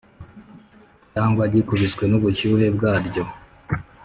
cyangwa gikubiswe n’ubushyuhe bwaryo.